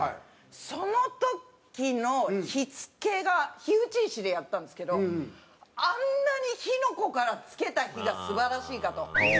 その時の火つけが火打ち石でやったんですけどあんなに火の粉からつけた火が素晴らしいかと。